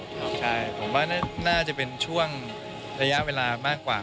ใช่ผมว่าน่าจะเป็นช่วงระยะเวลามากกว่า